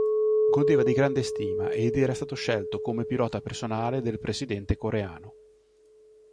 Godeva di grande stima ed era stato scelto come pilota personale del presidente coreano.